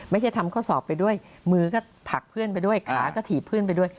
ไม่ใช่ทำข้อสอบไปด้วยมือก็ผลักเพื่อนไปด้วยขาก็ถีบเพื่อนไปด้วย